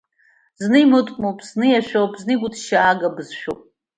Зны имыткәмоуп, зны иашәоуп, зны игәыҭшьаагоуп, ибызшәоуп.